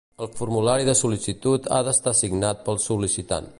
El formulari de sol·licitud ha d'estar signat pel sol·licitant.